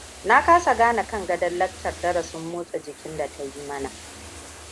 Na kasa gane kan gadon lakcar darasin motsa jikin da ta yi mana.